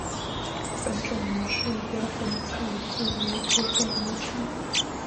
本种模式标本采自于湖北宜昌。